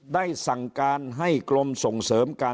ให้ดำเนินการแก้ไขปัญหานังกล่าว